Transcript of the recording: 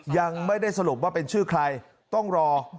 ยังไม่ได้สรุปว่าเป็นชื่อใคร